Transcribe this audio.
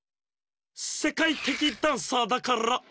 せかいてきダンサーだから。